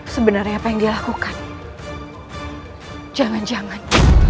sebenarnya apa yang dia lakukan jangan jangan